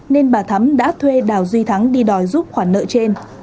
nên bà thắm đã thuê đào duy thắng đi đòi giúp khoản nợ trên